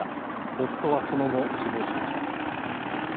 夫はその後、死亡しました。